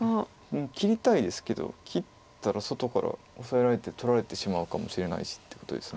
切りたいですけど切ったら外からオサえられて取られてしまうかもしれないしってことです。